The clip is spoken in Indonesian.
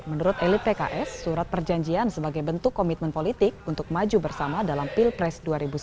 menurut elit pks surat perjanjian sebagai bentuk komitmen politik untuk maju bersama dalam pilpres dua ribu sembilan belas